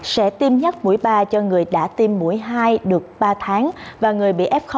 sẽ tiêm nhắc mũi ba cho người đã tiêm mũi hai được ba tháng và người bị f